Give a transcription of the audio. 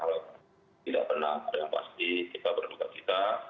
ada yang pasti kita berduka cita